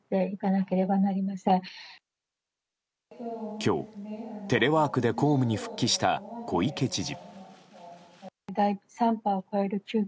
今日、テレワークで公務に復帰した小池知事。